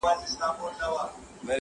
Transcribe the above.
پر غوټۍ د انارګل به شورماشور وي؛